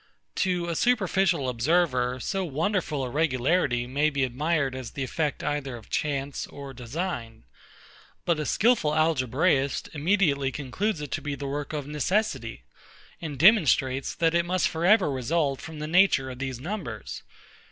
To a superficial observer, so wonderful a regularity may be admired as the effect either of chance or design: but a skilful algebraist immediately concludes it to be the work of necessity, and demonstrates, that it must for ever result from the nature of these numbers.